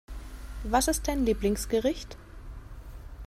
Was ist dein Lieblingsgericht?